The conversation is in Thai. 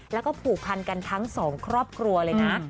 แล้วก็ผูกพันกันทั้งสองครอบครัวเลยนะ